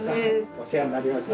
お世話になりました。